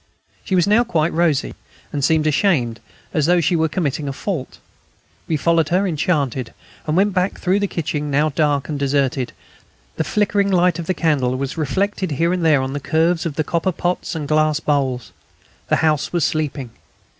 She was now quite rosy, and seemed ashamed, as though she were committing a fault. We followed her, enchanted, and went back through the kitchen, now dark and deserted. The flickering light of the candle was reflected here and there on the curves of the copper pots and glass bowls. The house was sleeping.